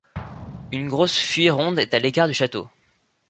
Une grosse fuie ronde est à l'écart du château.